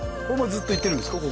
ずっと行ってるんですか？